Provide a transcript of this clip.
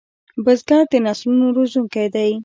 بزګر د نسلونو روزونکی دی